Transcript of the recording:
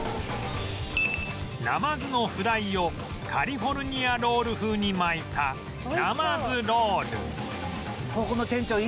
なまずのフライをカリフォルニアロール風に巻いたなまずロール